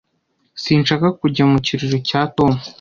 Sinshaka kujya mu kirori cya Tom.